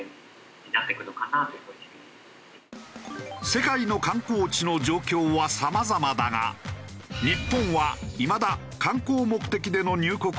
世界の観光地の状況はさまざまだが日本はいまだ観光目的での入国は認めていない。